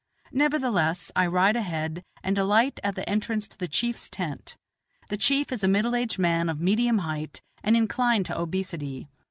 Nevertheless, I ride ahead and alight at the entrance to the chief's tent. The chief is a middle aged man of medium height and inclined to obesity.